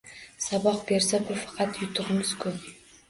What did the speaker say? Saboq bersa, bu faqat yutug’imiz-ku!